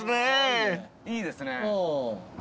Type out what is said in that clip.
いいですね。